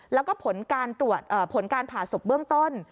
แล้วก็ผลการผ่าศพเบื้องต้น